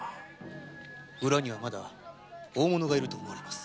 裏にはまだ大物がいると思われます。